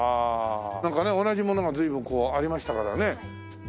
なんかね同じものが随分こうありましたからね。